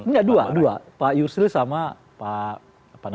enggak dua dua pak yusril sama pak apa namanya